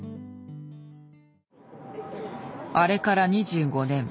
あれから２５年。